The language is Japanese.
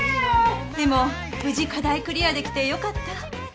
でも無事課題クリアできてよかった。